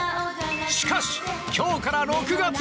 しかし、今日から６月。